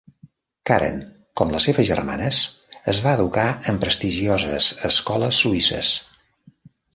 Karen, com les seves germanes, es va educar en prestigioses escoles suïsses.